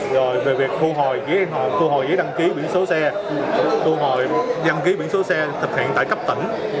rồi về việc thu hồi thu hồi giấy đăng ký biển số xe thu hồi đăng ký biển số xe thực hiện tại cấp tỉnh